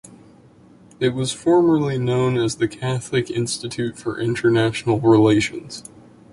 It was formerly known as The Catholic Institute for International Relations.